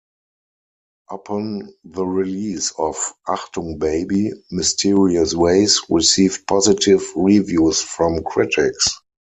Upon the release of "Achtung Baby", "Mysterious Ways" received positive reviews from critics.